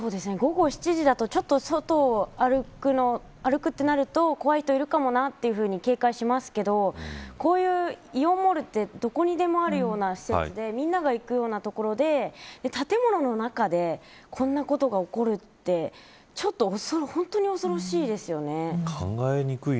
午後７時だと、ちょっと外を歩くとなると怖い人いるかもなと警戒しますけどこういうイオンモールってどこにでもあるような施設でみんなが行くような所で建物の中でこのようなことが起こるって考えにくい。